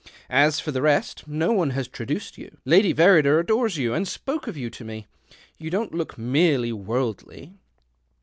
As for the rest, no one has traduced you. Lady Verrider adores you, and spoke of you to me. You don't look merely worldly."